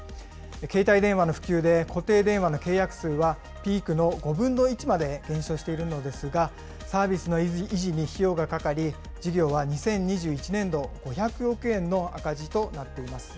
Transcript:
携帯電話の普及で、固定電話の契約数はピークの５分の１まで減少しているのですが、サービスの維持に費用がかかり、事業は２０２１年度、５００億円の赤字となっています。